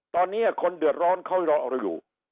ตอนนี้คนเดือดร้อนเขารอเราอยู่